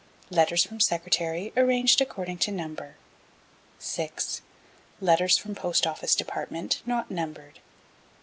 Letters from Secretary arranged according to number. 6. Letters from Post Office Department not numbered.